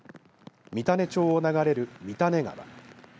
三種町を流れる三種川